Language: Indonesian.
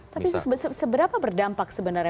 tapi seberapa berdampak sebenarnya